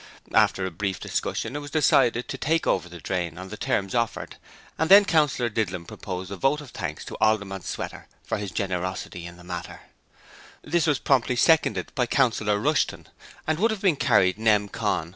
After a brief discussion it was decided to take over the drain on the terms offered, and then Councillor Didlum proposed a vote of thanks to Alderman Sweater for his generosity in the matter: this was promptly seconded by Councillor Rushton and would have been carried nem. con.